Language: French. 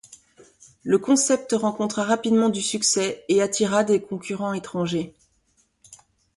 Le concept rencontra rapidement du succès et attira des concurrents étrangers.